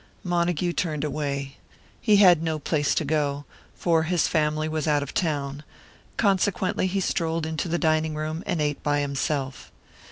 Montague turned away. He had no place to go, for his own family was out of town; consequently he strolled into the dining room and ate by himself.